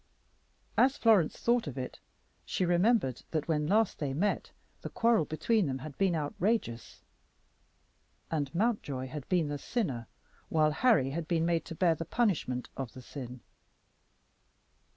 As Florence thought of it, she remembered that when last they met the quarrel between them had been outrageous. And Mountjoy had been the sinner, while Harry had been made to bear the punishment of the sin.